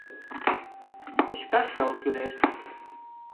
Кочкаш шыл кӱлеш.